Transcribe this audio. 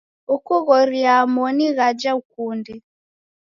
Ukughoriaa moni ghaja ukunde.